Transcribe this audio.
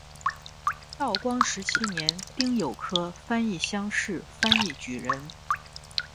道光十七年丁酉科翻译乡试翻译举人。